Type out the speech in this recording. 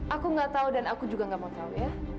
aku gak tau dan aku juga gak mau tau ya